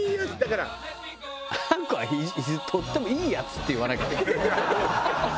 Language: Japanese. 「あんこはとってもいいヤツ」って言わなかった？